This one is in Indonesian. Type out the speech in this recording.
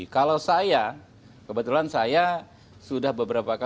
kalau saya kebetulan saya sudah beberapa kali